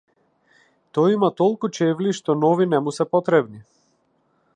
Тој има толку чевли што нови не му се потребни.